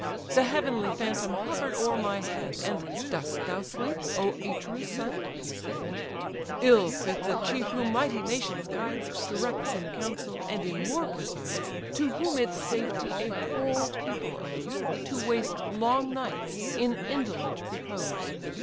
The heavenly phantom hover'd o'er my head, 'And, dost thou sleep, O Atreus' son? (he said) Ill fits a chief who mighty nations guides, Directs in council, and in war presides; To whom its safety a whole people owes, To waste long nights in indolent repose.